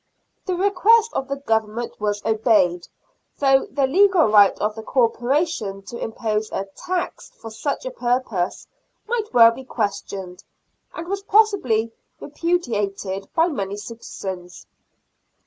The request of the Government was obeyed, though the legal right of the Corporation to impose a tax for such a purpose might well be questioned, and was possibly repudiated by many citizens.